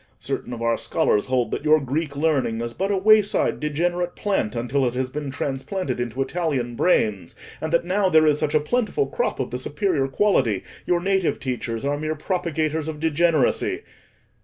Certain of our scholars hold that your Greek learning is but a wayside degenerate plant until it has been transplanted into Italian brains, and that now there is such a plentiful crop of the superior quality, your native teachers are mere propagators of degeneracy.